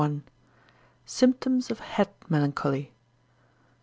—Symptoms of Head Melancholy.